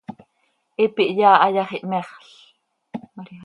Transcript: Hipi hyaa ha yax, ihmexl.